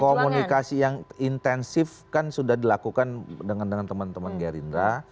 komunikasi yang intensif kan sudah dilakukan dengan teman teman gerindra